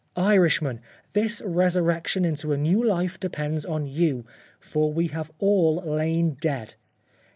Irishmen ! this re surrection into a new life depends on you ; for we have all lain dead.